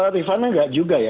rivana enggak juga ya